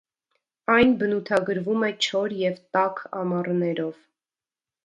Այն բնութագրվում է չոր և տաք ամառներով։